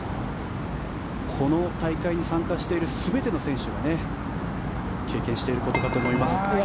この大会に参加している全ての選手が経験していることかと思います。